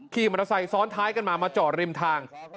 ขี่มอเตอร์ไซค์ซ้อนท้ายกันมามาจอดริมทาง